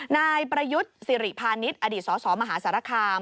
นายประยุทธ์สิริพาณิชย์อดีตสสมหาสารคาม